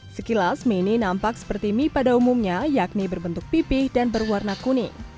sekilas mie ini nampak seperti mie pada umumnya yakni berbentuk pipih dan berwarna kuning